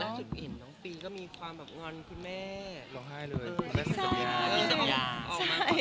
แล้วถึงเห็นน้องปีก็มีความแบบงอนพี่แม่หลงห้ายเลยแม่ต้องการออกมาขอโทษ